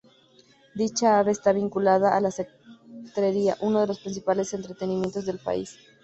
Dicha ave está vinculada a la cetrería, uno de los principales entretenimientos del país.